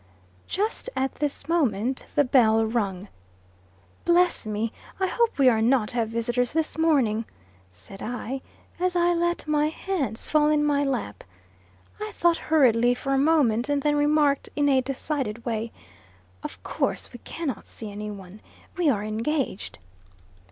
Just at this moment the bell rung. "Bless me! I hope we are not to have visitors this morning," said I, as I let my hands fall in my lap. I thought hurriedly for a moment, and then remarked, in a decided way: "Of course we cannot see any one. We are engaged."